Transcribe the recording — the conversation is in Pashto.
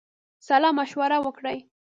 سلامشوره وکړی.